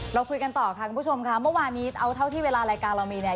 เราคุยกันต่อค่ะคุณผู้ชมค่ะเมื่อวานนี้เอาเท่าที่เวลารายการเรามีเนี่ย